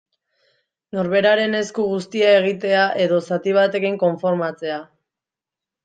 Norberaren esku guztia egitea, edo zati batekin konformatzea.